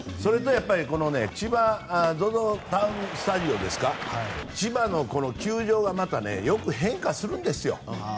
それとこのＺＯＺＯマリンスタジアムですか千葉の球場がまたよく変化するんですよ。